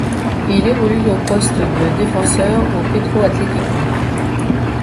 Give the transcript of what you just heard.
Il évolue au poste de défenseur au Petro Atlético.